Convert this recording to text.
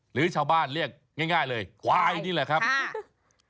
หรือชาวบ้านเรียกง่ายง่ายเลยควายนี่แหละครับ